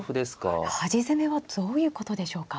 この端攻めはどういうことでしょうか。